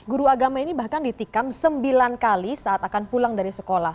guru agama ini bahkan ditikam sembilan kali saat akan pulang dari sekolah